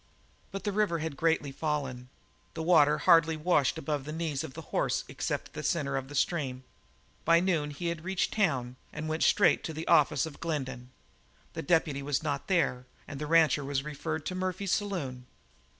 But the river had greatly fallen the water hardly washed above the knees of the horse except in the centre of the stream; by noon he reached the town and went straight for the office of Glendin. The deputy was not there, and the rancher was referred to Murphy's saloon.